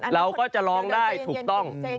เราก็จะร้องได้ถูกต้อง